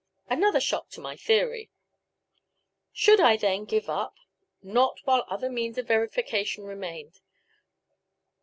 Another shock to my theory. Should I, then, give it up? Not while another means of verification remained.